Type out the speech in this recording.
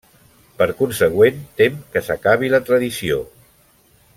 Per consegüent, tem que s'acabi la tradició.